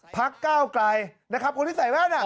พักก้าวไกลนะครับคนที่ใส่แว่น